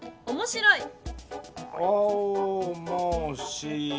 「おもしろい」。